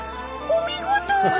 お見事！